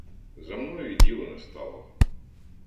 За мною діло не стало.